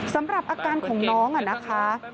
สำหรับอาการของน้องนะคะ